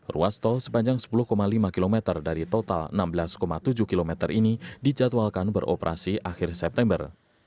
ruas tol sepanjang sepuluh lima km dari total enam belas tujuh km ini dijadwalkan beroperasi akhir september